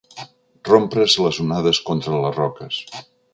Rompre's les onades contra les roques.